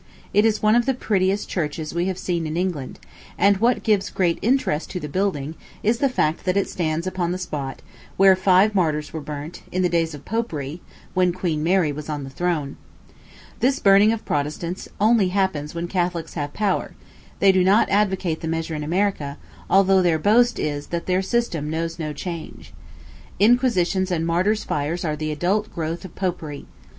It is one of the prettiest churches we have seen in England; and what gives great interest to the building is the fact that it stands upon the spot where five martyrs were burnt, in the days of Popery, when Queen Mary was on the throne. This burning of Protestants only happens when Catholics have power; they do not advocate the measure in America, although their boast is that their system knows no change. Inquisitions and martyrs' fires are the adult growth of Popery.